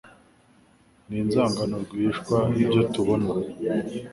n'inzangano rwihishwa nibyo tubona